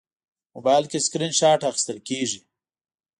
موبایل کې سکرین شات اخیستل کېږي.